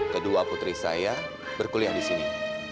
kedua putri saya berkuliah di sini